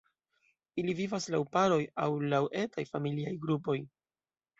Ili vivas laŭ paroj aŭ laŭ etaj familiaj grupoj.